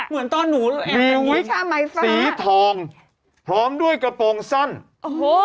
เหมือนตอนหนูมีวิชาไหมไฟสีทองพร้อมด้วยกระโปรงสั้นโอ้โห